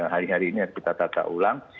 hari hari ini harus kita tata ulang